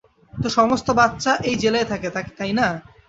তো, সমস্ত বাচ্চা একই জেলায় থাকে, তাই না?